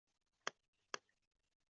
广东丙子乡试。